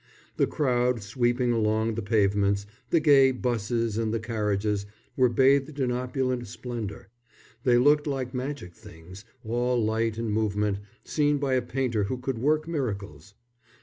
The crowd, sweeping along the pavements, the gay 'buses and the carriages, were bathed in opulent splendour. They looked like magic things, all light and movement, seen by a painter who could work miracles.